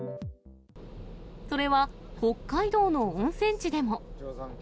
それは、北海道の温泉地でも。